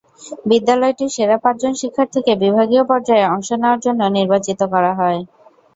বিদ্যালয়টির সেরা পাঁচজন শিক্ষার্থীকে বিভাগীয় পর্যায়ে অংশ নেওয়ার জন্য নির্বাচিত করা হয়।